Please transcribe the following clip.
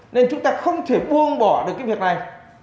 nên chúng ta không thể buông bỏ được cái việc này